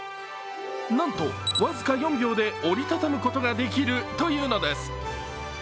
なんと、僅か４秒で折り畳むことができるというのです。